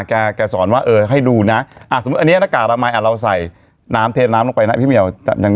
แต่ก็สอนว่าให้ดูนะอ่ะนี่ข้าวน้ากากระไม้หลังใส่น้ำเทลมน้ำลงไปนะพี่เหลว